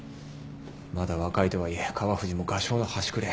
まだ若いとはいえ川藤も画商の端くれ。